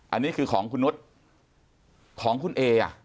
อันนี้คือของคุณนุษย์ของคุณเอ